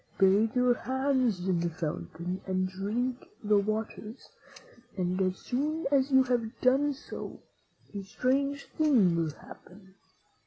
Bathe your hands in the fountain and drink the waters, and as soon as you have done so, a strange thing will happen.